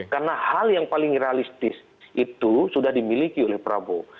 karena hal yang paling realistis itu sudah dimiliki oleh prabowo